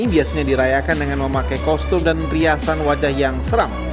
biasanya dirayakan dengan memakai kostum dan riasan wajah yang seram